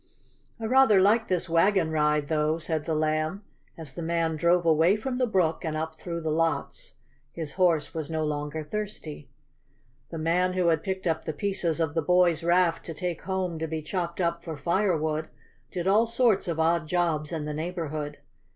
"I rather like this wagon ride, though," said the Lamb, as the man drove away from the brook and up through the lots. His horse was no longer thirsty. The man who had picked up the pieces of the boys' raft to take home to be chopped up for firewood, did all sorts of odd jobs in the neighborhood.